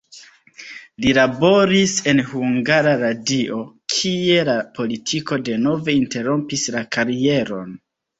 Li laboris en Hungara Radio, kie la politiko denove interrompis la karieron.